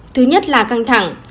thứ nhất là căng thẳng